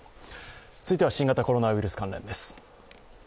続いては新型コロナウイルス関連です。